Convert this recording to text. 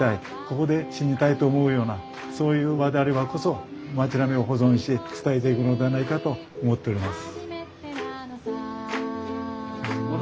ここで死にたいと思うようなそういう場であればこそ町並みを保存し伝えていくのではないかと思っております。